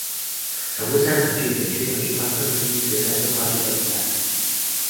常规赛成绩北区南区八分之一决赛是跨区的比赛。